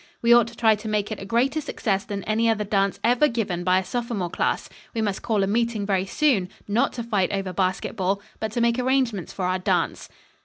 We ought to try to make it a greater success than any other dance ever given by a sophomore class. We must call a meeting very soon, not to fight over basketball, but to make arrangements for our dance."